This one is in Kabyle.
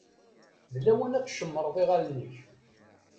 D lawan ad tcemmṛeḍ iɣallen-ik.